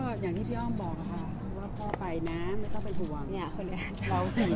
ก็อย่างที่พี่อ้อมบอกค่ะว่าพ่อไปนะไม่ต้องเป็นห่วงเนี่ยคนนี้ร้องสี่